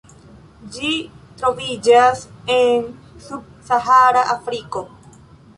Ĝi troviĝas en subsahara Afriko.